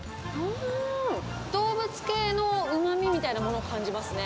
動物系のうまみみたいなものを感じますね。